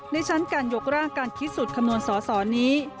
ในชั้นการยกร่างการพิสูจน์คำนวณสอสอนี้